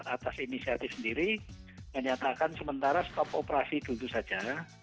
atas inisiatif sendiri menyatakan sementara stop operasi duduk saja